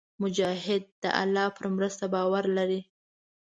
مجاهد د الله پر مرسته باور لري.